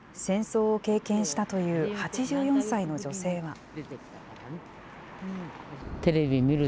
戦争を経験したという８４歳の女性は。